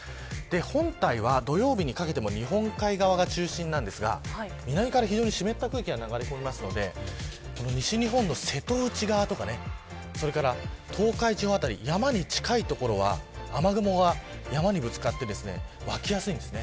本体は土曜日にかけても日本海側が中心ですが南から湿った空気が流れ込むので西日本の瀬戸内側とか東海地方辺り、山に近い所は雨雲が山にぶつかって湧きやすいです。